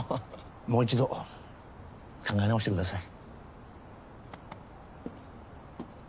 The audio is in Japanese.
もう１度考え直してください。